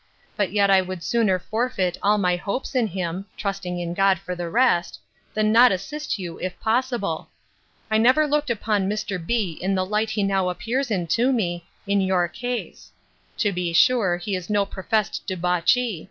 But yet I would sooner forfeit all my hopes in him, (trusting in God for the rest,) than not assist you, if possible. I never looked upon Mr. B—— in the light he now appears in to me, in your case. To be sure, he is no professed debauchee.